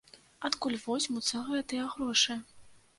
Адкуль возьмуцца гэтыя грошы?